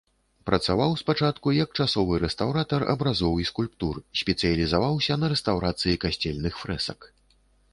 Працаваў спачатку як часовы рэстаўратар абразоў і скульптур, спецыялізаваўся на рэстаўрацыі касцельных фрэсак.